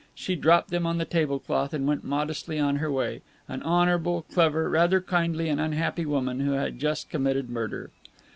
She dropped them on the table cloth, and went modestly on her way, an honorable, clever, rather kindly and unhappy woman who had just committed murder.